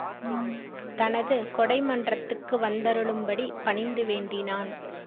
தனது கொடைமன்றத்துக்கு வந்தருளும் படி பணிந்து வேண்டினான்.